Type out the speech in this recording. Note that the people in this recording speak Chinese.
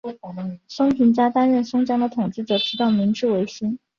松平家担任松江的统治者直到明治维新。